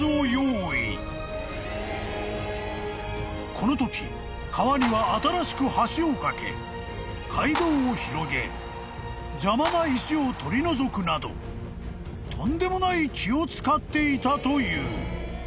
［このとき川には新しく橋を架け街道を広げ邪魔な石を取り除くなどとんでもない気を使っていたという］